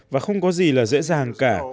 và không có gì là dễ dàng cả